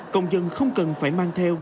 công dân không cần phải mang theo